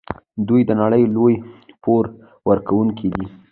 دوی د نړۍ لوی پور ورکوونکي دي.